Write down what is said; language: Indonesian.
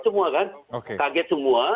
semua kan kaget semua